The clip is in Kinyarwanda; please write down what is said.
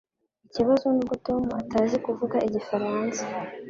Ikibazo nuko Tom atazi kuvuga igifaransa